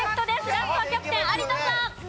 ラストはキャプテン有田さん。